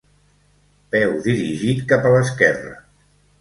Peu dirigit cap a l'esquerra.